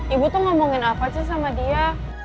ibu tuh ngomongin apa sih sama dia